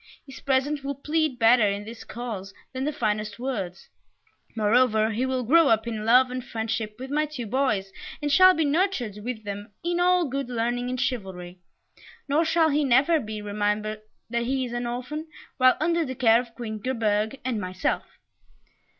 His presence will plead better in his cause than the finest words; moreover, he will grow up in love and friendship with my two boys, and shall be nurtured with them in all good learning and chivalry, nor shall he ever be reminded that he is an orphan while under the care of Queen Gerberge and myself."